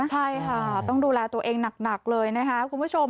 ใช่ค่ะต้องดูแลตัวเองหนักเลยนะคะคุณผู้ชม